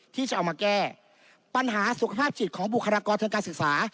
ที่จะเอามาแก้ปัญหาสุขภาพจิตของบุคลากรทางการศึกษา